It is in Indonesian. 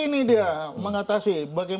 ini dia mengatasi